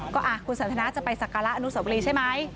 ก็คุณสันทนาจะไปสักการะอนุสวรีใช่ไหม